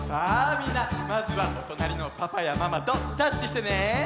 みんなまずはおとなりのパパやママとタッチしてね！